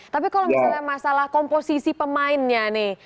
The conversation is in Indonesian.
tapi kalau misalnya masalah komposisi pemainnya nih